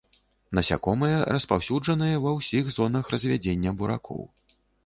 Насякомыя распаўсюджаныя ва ўсіх зонах развядзення буракоў.